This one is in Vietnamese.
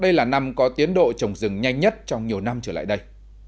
đây là năm có tiến độ trồng rừng nhanh nhất trong nhiều năm trở lại đây